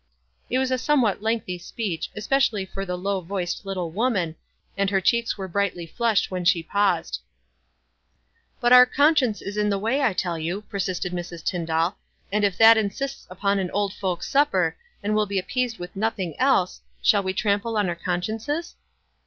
It was a somewhat lengthy speech, especially for the low voiced little woman, and Her cheens were brightly flushed when she paused. " But our conscience is in the way, I tell you," persisted Mrs. Tyndall ; "and if that insists WISE AND OTHERWISE. 53 upon an old folks' supper, and will be appeased with nothing else, shall we trample on our con * sciences?"